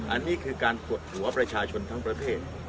อันนี้คือการกดหัวประชาชนทั้งประเทศ